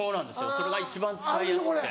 それが一番使いやすくて。